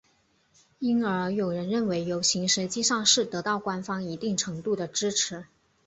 因而有人认为游行实际上是得到官方一定程度的支持。